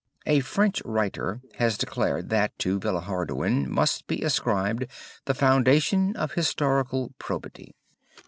A French writer has declared that to Villehardouin must be ascribed the foundation of historical probity.